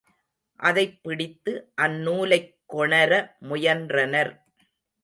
அதைப்பிடித்து, அந்நூலைக் கொணர முயன்றனர்.